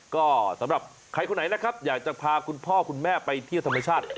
ก็สำหรับใครคนไหนนะครับอยากจะพาคุณพ่อคุณแม่ไปเที่ยวธรรมชาติ